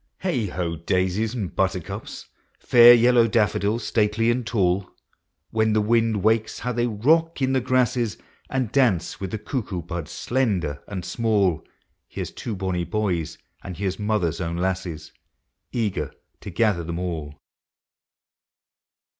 Heigh ho ! daisies and buttercups, Fair vellow daffodils, statelv and tall! • 7 %r When the wind wakes, how they rock in the grasses, And dance with the cuckoo buds slender and small ! Here 's two bonny boys, and here 'a mother's own lasses, Eager to gather them all.